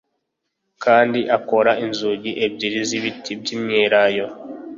Kandi akora inzugi ebyiri z’ibiti by’imyelayo